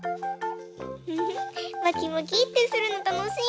フフまきまきってするのたのしい！